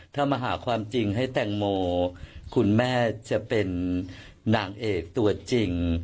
ถ้ามาหาความจริงให้แตงโมคุณแม่จะเป็นนางเอกตัวจริง